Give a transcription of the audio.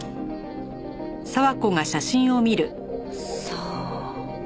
さあ。